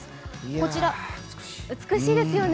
こちら、美しいですよね。